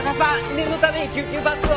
念のために救急バッグを。